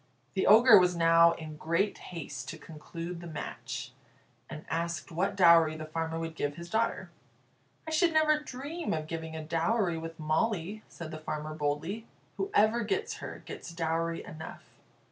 The Ogre was now in great haste to conclude the match, and asked what dowry the farmer would give his daughter. "I should never dream of giving a dowry with Molly," said the farmer, boldly. "Whoever gets her, gets dowry enough.